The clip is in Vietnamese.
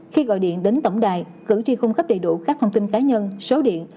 khi gọi điện đến tổng đài cử tri cung cấp đầy đủ các thông tin cá nhân số điện